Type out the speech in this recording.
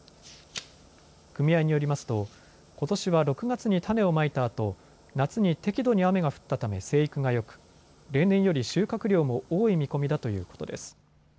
組合によりますとことしは６月に種をまいたあと夏に適度に雨が降ったため生育がよく例年より収穫量も多い見込みだということです。